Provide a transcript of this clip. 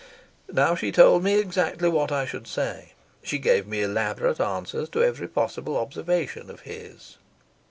Now she told me exactly what I should say. She gave me elaborate answers to every possible observation of his.